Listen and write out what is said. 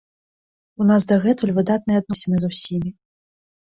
У нас дагэтуль выдатныя адносіны з усімі.